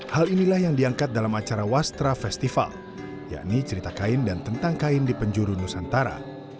hal inilah yang diangkat dalam acara wastra festival yakni cerita kain dan tentang kain di penjuru nusantara